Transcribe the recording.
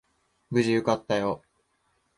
無事受かったよ。